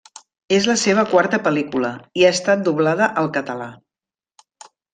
És la seva quarta pel·lícula, i ha estat doblada al català.